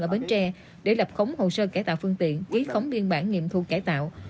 ở bến tre để lập khống hồ sơ cải tạo phương tiện ký khống biên bản nghiệm thu cải tạo